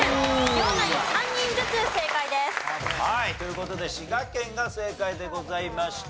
両ナイン３人ずつ正解です。という事で滋賀県が正解でございました。